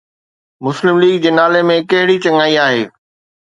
مسلم ليگ جي نالي ۾ ڪهڙي چڱائي آهي؟